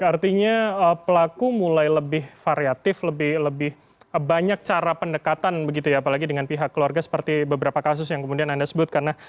berarti pelaku mulai lebih variatif lebih banyak cara pendekatan apalagi dengan pihak keluarga seperti beberapa kasus yang anda sebutkan